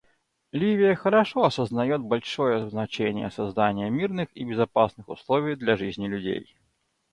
Ливия хорошо осознает большое значение создания мирных и безопасных условий для жизни людей.